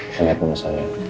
saya lihat rumah saya